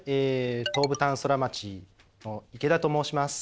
東武タウンソラマチの池田と申します。